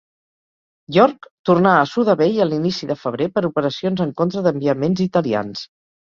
"York" tornà a Suda Bay a l'inici de febrer per operacions en contra d'enviaments italians.